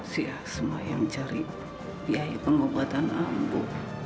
si asma yang cari biaya pengobatan ambu